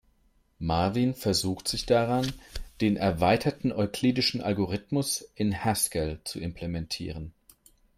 Marvin versucht sich daran, den erweiterten euklidischen Algorithmus in Haskell zu implementieren.